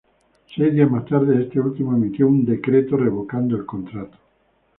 Seis días más tarde este último emitió un decreto revocando el contrato.